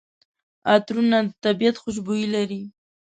عطرونه د طبیعت خوشبويي لري.